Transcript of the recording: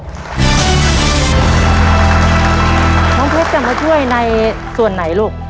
เพชรจะมาช่วยในส่วนไหนลูก